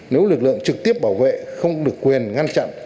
nếu lực lượng trực tiếp bảo vệ không được quyền ngăn chặn